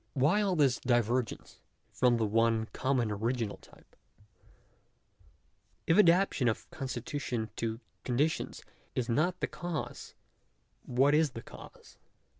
Why all this divergence from the one common original type ? If adaptation of constitution to conditions is not the cause, what is the cause?